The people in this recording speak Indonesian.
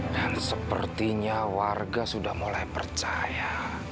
dan sepertinya warga sudah mulai percaya